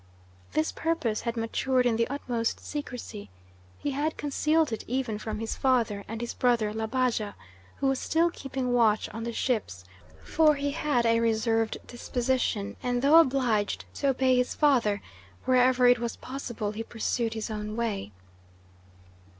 This purpose had matured in the utmost secrecy. He had concealed it even from his father and his brother Labaja, who was still keeping watch on the ships, for he had a reserved disposition, and though obliged to obey his father, wherever it was possible he pursued his own way.